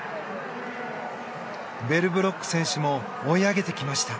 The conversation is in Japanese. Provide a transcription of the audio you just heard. ベルブロック選手も追い上げてきました。